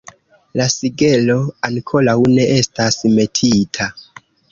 La sigelo ankoraŭ ne estas metita.